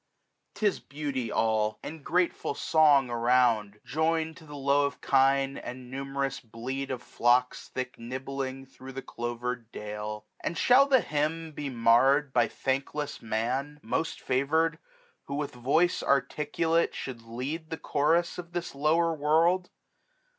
96 SUMMER. 'Ti3 beauty all, and grateful song around, Join'd to the low of kine, and numerous bleat * Of flocks thick nibbling thro* the clover'd vale. And shall the hymn be marr'd by thankless man, 1235 Most favour'd ; who with voice articulate Should lead the chorus of this lower world